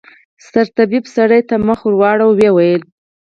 سرطبيب سړي ته مخ واړاوه ويې ويل.